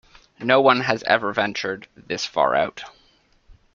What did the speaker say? No one has ever ventured this far out.